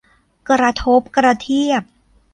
กระทบกระเทียบ